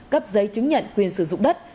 cấp giấy chứng nhận quyền sử dụng đất